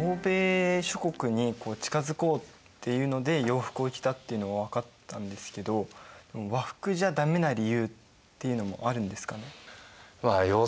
欧米諸国に近づこうっていうので洋服を着たっていうのは分かったんですけど和服じゃ駄目な理由っていうのもあるんですかね？